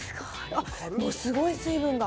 あっ、すごい水分が。